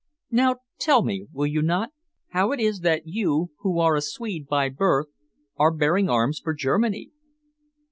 Now tell me, will you not, how it is that you, who are a Swede by birth, are bearing arms for Germany?"